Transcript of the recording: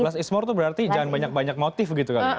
less is more tuh berarti jangan banyak banyak motif gitu kali ya